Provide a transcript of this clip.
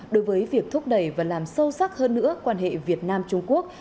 đối với việc thúc đẩy và làm sâu sắc hơn nữa quan hệ việt nam trung quốc